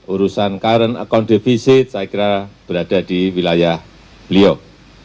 urusan current account deficit saya kira berada di wilayah beliau